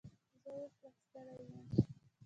زه اوس لږ ستړی یم.